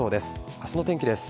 明日の天気です。